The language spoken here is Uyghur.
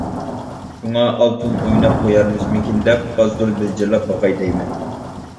شۇڭا ئالتۇن ئويناپ قويارمىزمىكىن دەپ ئاز-تولا بىلجىرلاپ باقاي دەيمەن.